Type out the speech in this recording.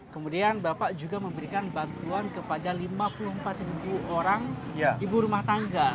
kemudian bapak juga memberikan bantuan kepada lima puluh empat orang ibu rumah tangga